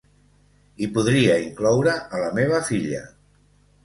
I podria incloure a la meva filla.